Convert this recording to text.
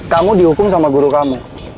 kamu dihukum sama guru kamu